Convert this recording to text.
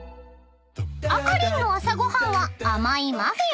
［あかりんの朝ご飯は甘いマフィン］